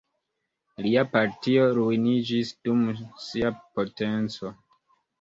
Lia partio ruiniĝis dum sia potenco.